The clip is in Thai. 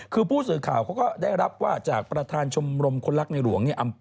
คือผู้สื่อข่าวเขาก็ได้รับว่าจากประธานชมรมคนรักในหลวงเนี่ย